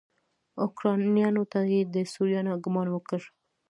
اوکرانیانو ته یې د سوريانو ګمان وکړ.